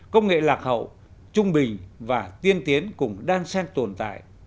công nghệ lạc hậu trung bình và tiên tiến cũng đang xem tồn tại